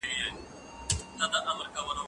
زه بايد د کتابتون کار وکړم،